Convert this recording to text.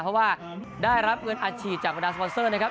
เพราะว่าได้รับเงินอัชจิตจากวัฒนาสมอเสิร์ฯนะครับ